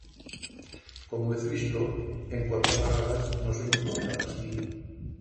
Como hez visto, en cuatro garradas nos hemos plantau astí.